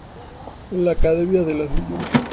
En la Academia de la Sra.